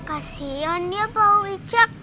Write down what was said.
kasian dia pak wicak